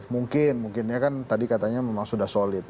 mungkin mungkin ya kan tadi katanya memang sudah solid